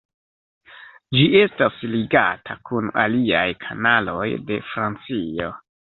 Ĝi estas ligata kun aliaj kanaloj de Francio.